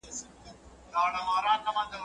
مړی چي خداى شرموي، پر تخته گوز واچوي.